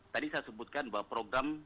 tadi saya sebutkan bahwa program